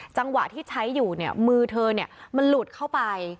จังหวะที่ใช้อยู่เนี่ยมือเธอมันหลุดเข้าไป